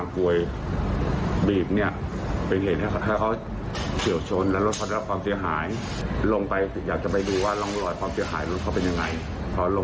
เขาถูกตำรวจทำร้ายเหมือนกัน